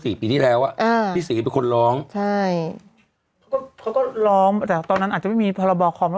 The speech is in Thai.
สิทธิ์จากพี่โน้ตแล้วต้องไปให้คนนี้